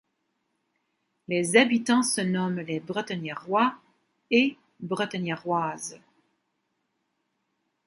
Les habitants se nomment les Bretenièrois et Bretenièroises.